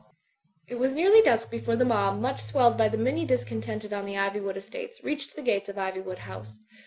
It was nearly dusk before the mob, much swelled by the many discontented on the Iv)rwood estates, reached the gates of Ivywood House.